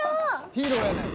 ヒーローやねん。